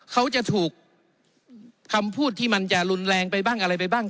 เขาจะถูกคำพูดที่มันจะรุนแรงไปบ้างอะไรไปบ้าง